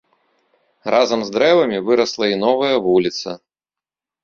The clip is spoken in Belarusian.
Разам з дрэвамі вырасла і новая вуліца.